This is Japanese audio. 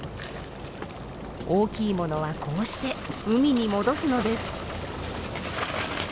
大きいものはこうして海に戻すのです。